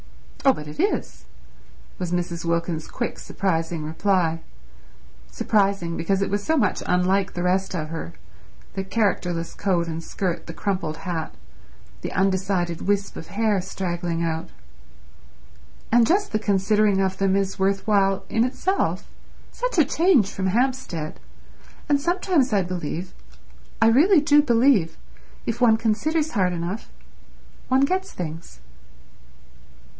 "Oh, but it is," was Mrs. Wilkins's quick, surprising reply; surprising because it was so much unlike the rest of her—the characterless coat and skirt, the crumpled hat, the undecided wisp of hair straggling out, "And just the considering of them is worth while in itself—such a change from Hampstead—and sometimes I believe—I really do believe—if one considers hard enough one gets things."